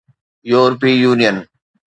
يورپي يونين